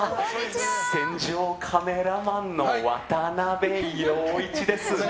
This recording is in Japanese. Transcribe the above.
戦場カメラマンの渡部陽一です。